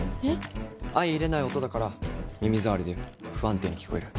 相容れない音だから耳障りで不安定に聞こえる。